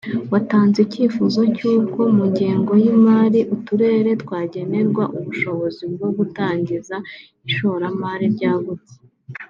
watanze icyifuzo cy’uko mu ngengo y’imari uturere twagenerwa ubushobozi bwo gutangiza ishoramari ryagutse